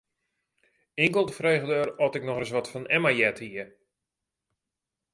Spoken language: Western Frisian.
Inkeld frege er oft ik noch ris wat fan Emma heard hie.